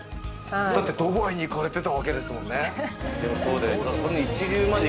だってドバイに行かれてたわけですもんね。